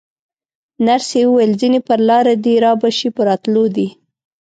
نرسې وویل: ځینې پر لاره دي، رابه شي، په راتلو دي.